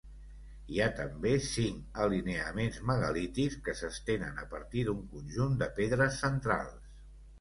Hi ha també cinc alineaments megalítics que s'estenen a partir d'un conjunt de pedres centrals.